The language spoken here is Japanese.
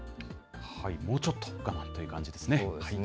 もうちょっと我慢という感じですね。